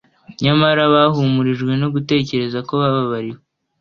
Nyamara bahumurijwe no gutekereza ko bababariwe.